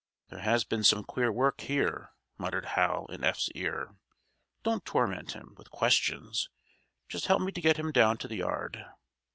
"There has been some queer work here," muttered Hal in Eph's ear. "Don't torment him with questions. Just help me to get him down to the yard."